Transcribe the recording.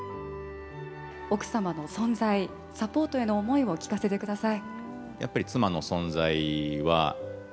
奥様の存在、サポートへの思いを聞かせてください。